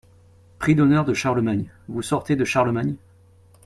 Prix d’honneur de Charlemagne, vous sortez de Charlemagne ?